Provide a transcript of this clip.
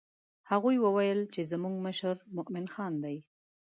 هغوی وویل چې زموږ مشر مومن خان دی.